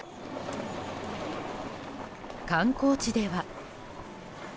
観光地では。